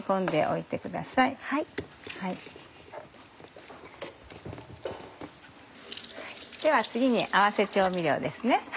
では次に合わせ調味料です。